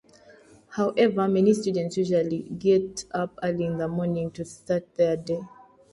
However, many students usually get up early in the morning to start their day.